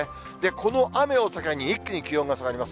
この雨を境に一気に気温が下がります。